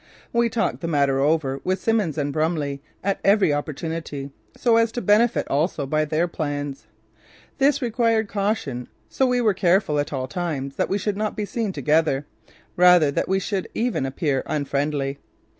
We talked the matter over with Simmons and Brumley at every opportunity, so as to benefit also by their plans. This required caution so we were careful at all times that we should not be seen together; rather that we should even appear unfriendly.